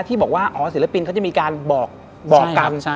ที่บอกว่าอ๋อศิลปินเขาจะมีการบอกกัน